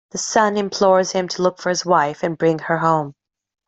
The son implores him to look for his wife and bring her home.